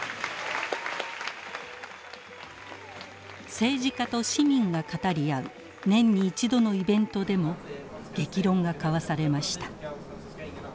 政治家と市民が語り合う年に一度のイベントでも激論が交わされました。